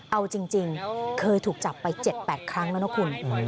เอาจริงเคยถูกจับไป๗๘ครั้งแล้วนะคุณ